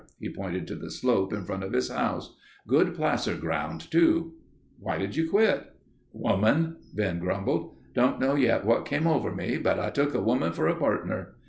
He pointed to the slope in front of his house. "Good placer ground too." "Why did you quit?" "Woman," Ben grumbled. "Don't know yet what come over me, but I took a woman for a partner."